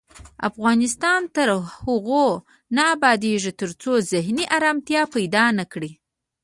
افغانستان تر هغو نه ابادیږي، ترڅو ذهني ارامتیا پیدا نکړو.